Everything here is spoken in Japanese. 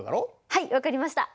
はい分かりました。